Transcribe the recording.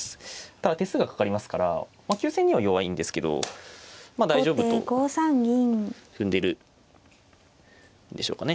ただ手数がかかりますから急戦には弱いんですけどまあ大丈夫と踏んでるんでしょうかね。